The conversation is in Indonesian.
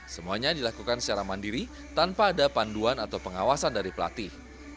semuanya dilakukan secara mandiri tanpa ada panduan atau pengawasan dari pelatih